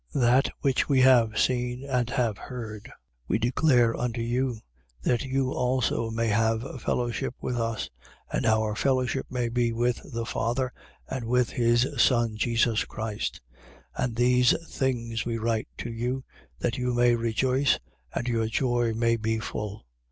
1:3. That which we have seen and have heard, we declare unto you: that you also may have fellowship with us and our fellowship may be with the Father and with his Son Jesus Christ. 1:4. And these things we write to you, that you may rejoice and your joy may be full.